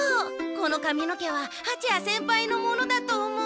このかみの毛ははちや先輩のものだと思う。